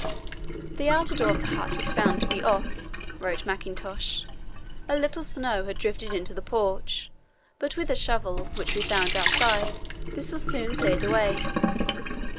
"The outer door of the hut we found to be off," wrote Mackintosh. "A little snow had drifted into the porch, but with a shovel, which we found outside, this was soon cleared away.